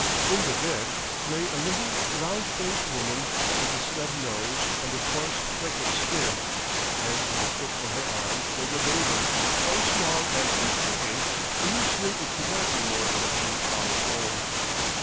In the bed lay a little, round faced woman with a snub nose and a coarse, freckled skin, and in the crook of her arm was a baby so small and weak looking the nurse knew it could not be more than a few hours old.